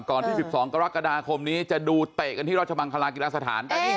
ที่๑๒กรกฎาคมนี้จะดูเตะกันที่ราชมังคลากีฬาสถาน